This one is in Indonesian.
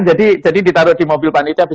jadi ditaruh di mobil panitia